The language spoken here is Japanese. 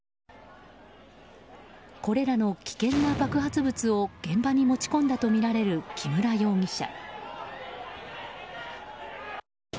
これらの危険な爆発物を現場に持ち込んだとみられる木村容疑者。